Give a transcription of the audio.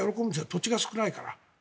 土地が少ないから。